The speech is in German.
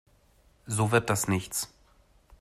So wird das nichts.